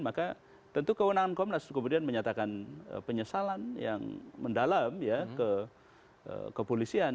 maka tentu kewenangan komnas kemudian menyatakan penyesalan yang mendalam ke kepolisian